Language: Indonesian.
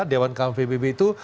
dewan kaman pbb itu